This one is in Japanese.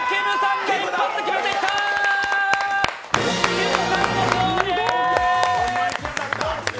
きむさんの勝利です！